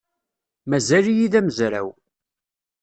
Mazal-iyi d amezraw.